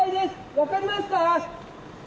分かりますか？